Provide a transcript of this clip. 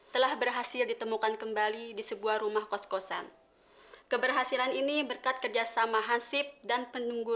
telah berhasil ditemukan kembali di sebuah rumah koskosan keberhasilan ini berkat kerjasama hans homework